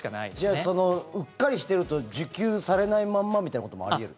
じゃあうっかりしてると受給されないまんまみたいなこともあり得る？